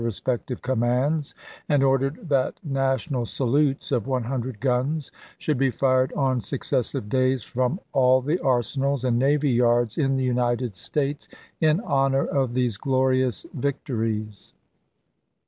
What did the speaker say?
respective commands, and ordered that national salutes of one hundred guns should be fired on suc cessive days from all the arsenals and navy yards in the United States in honor of these glorious victories.